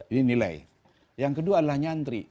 ini nilai yang kedua adalah nyantri